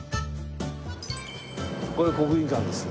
これ国技館です。